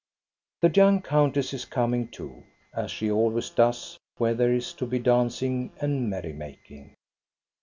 The young countess is coming too, as she always does where there is to be dancing and merry making.